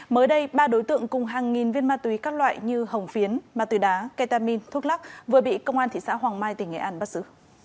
mới đây ba đối tượng cùng hàng nghìn viên ma túy các loại như hồng phiến ma túy đá ketamin thuốc lắc vừa bị công an thị xã hoàng mai tỉnh nghệ an bắt giữ